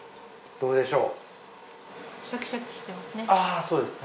どうでしょう？